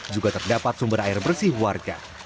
juga terdapat sumber air bersih warga